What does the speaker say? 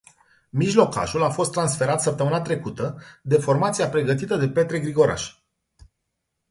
Mijlocașul a fost transferat săptămâna trecută, de formația pregătită de Petre Grigoraș.